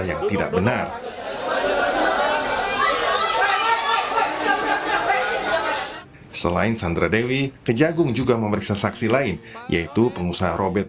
yang tidak benar selain sandra dewi kejagung juga memeriksa saksi lain yaitu pengusaha robert